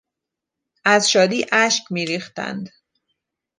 از شادی اشک میریختند.